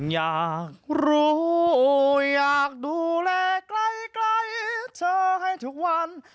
อยากรู้อยากดูแลใกล้เธอให้ทุกวัน